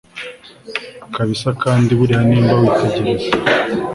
kabsa kandi buriya nimba witegereza